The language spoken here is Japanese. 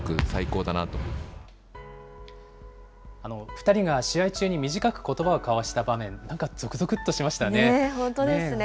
２人が試合中に短くことばを交わした場面、なんかぞくぞくっ本当ですね。